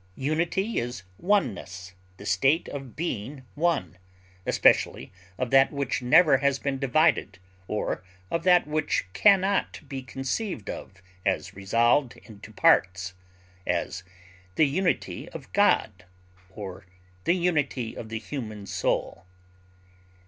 Unity is oneness, the state of being one, especially of that which never has been divided or of that which can not be conceived of as resolved into parts; as, the unity of God or the unity of the human soul.